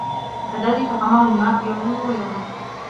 كذلك غمر الماء يروي ويغرق